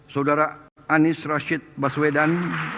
saudara anies rashid baswedan